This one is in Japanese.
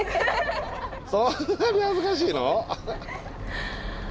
そんなに恥ずかしいの？